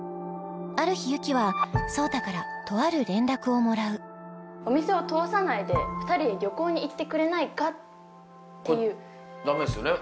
ある日雪は壮太からとある連絡をもらうお店を通さないで２人で旅行に行ってくれないかっていうダメですよね？